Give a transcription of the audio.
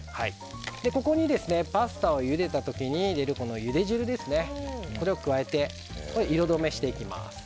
ここにパスタをゆでた時のゆで汁を加えて色どめしていきます。